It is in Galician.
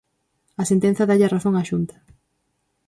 A sentenza dálle a razón á Xunta.